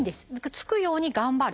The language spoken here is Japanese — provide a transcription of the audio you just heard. つくように頑張る。